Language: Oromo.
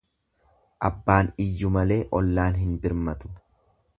Abbaan iyyu malee ollaan hin birmatu.